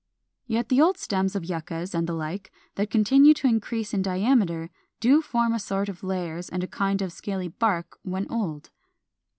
Yet old stems of Yuccas and the like, that continue to increase in diameter, do form a sort of layers and a kind of scaly bark when old.